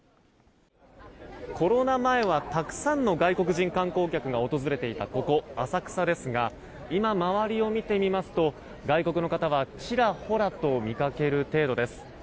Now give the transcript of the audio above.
コロナ前はたくさんの外国人観光客が訪れていた、ここ浅草ですが今周りを見てみますと外国の方はちらほらと見かける程度です。